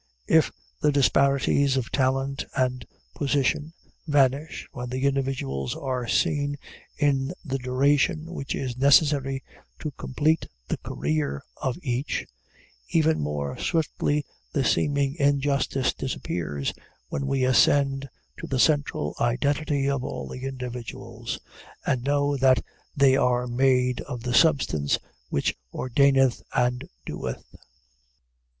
If the disparities of talent and position vanish when the individuals are seen in the duration which is necessary to complete the career of each, even more swiftly the seeming injustice disappears when we ascend to the central identity of all the individuals, and know that they are made of the substance which ordaineth and doeth.